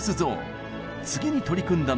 次に取り組んだのが。